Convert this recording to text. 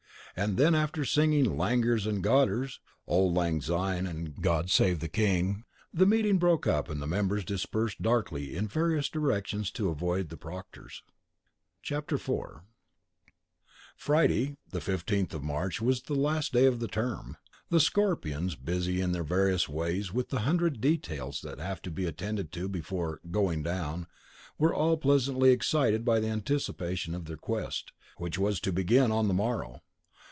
And then, after singing "langers and godders" (Auld Lang Syne and God Save the King) the meeting broke up and the members dispersed darkly in various directions to avoid the proctors. IV Friday the fifteenth of March was the last day of term. The Scorpions, busy in their various ways with the hundred details that have to be attended to before "going down," were all pleasantly excited by the anticipation of their quest, which was to begin on the morrow.